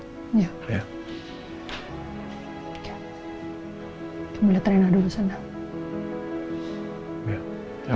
kamu letrena dulu sana